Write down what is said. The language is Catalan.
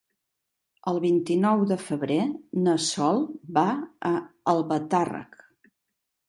El vint-i-nou de febrer na Sol va a Albatàrrec.